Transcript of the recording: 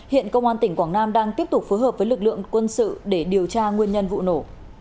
hiện công an tỉnh quảng nam đang tiếp tục phối hợp với lực lượng quân sự để điều tra nguyên nhân vụ nổ